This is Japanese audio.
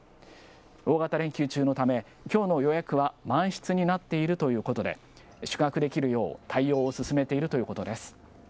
大型連休中のため、きょうの予約は満室になっているということで、宿泊できるよう、対応を進めているということです。